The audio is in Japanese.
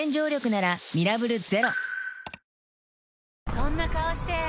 そんな顔して！